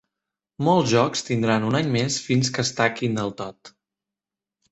Molts jocs tindran un any més fins que es taquin del tot.